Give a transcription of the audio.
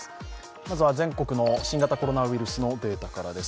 まずは全国の新型コロナウイルスのデータからです。